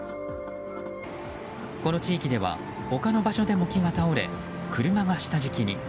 この地域では他の場所でも木が倒れ車が下敷きに。